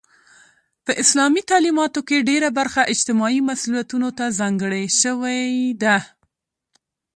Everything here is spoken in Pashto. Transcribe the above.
په اسلامي تعلیماتو کې ډيره برخه اجتماعي مسئولیتونو ته ځانګړې شوی ده.